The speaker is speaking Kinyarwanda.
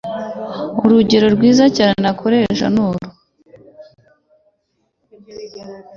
Urugero rwiza cyane nakoresha n'uru